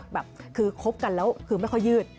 คือคบกันแล้วไม่ค่อยยืด